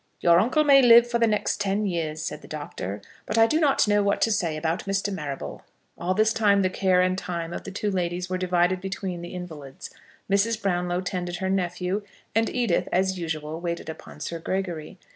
"Your uncle may live for the next ten years," said the doctor; "but I do not know what to say about Mr. Marrable." All this time the care and time of the two ladies were divided between the invalids. Mrs. Brownlow tended her nephew, and Edith, as usual, waited upon Sir Gregory.